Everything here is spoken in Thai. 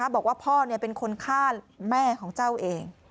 บอกว่าพ่อเป็นคนฆ่าแม่ของเจ้าเอง